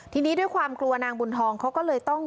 ทีนี้ด้วยความกลัวนางบุญทองเขาก็เลยต้อง